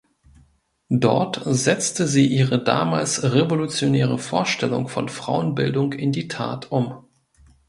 Dort setzte sie ihre damals revolutionäre Vorstellung von Frauenbildung in die Tat um.